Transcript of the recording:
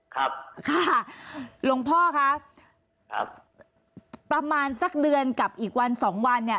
ครับค่ะหลวงพ่อคะครับประมาณสักเดือนกับอีกวันสองวันเนี่ย